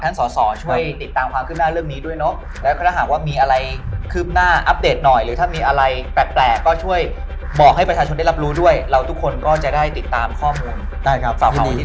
ขอบคุณมากที่อุตส่าห์เจอกันมาที่นี่ด้วยขอบคุณครับ